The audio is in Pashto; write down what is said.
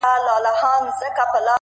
سیاه پوسي ده ـ ترې کډي اخلو ـ